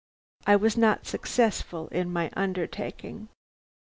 I was not successful in my undertaking.